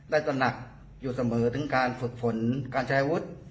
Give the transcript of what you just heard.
ตระหนักอยู่เสมอถึงการฝึกฝนการใช้อาวุธ